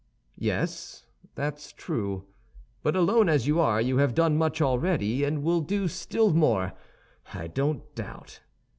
"Yes, that's true; but alone as you are, you have done much already, and will do still more, I don't doubt.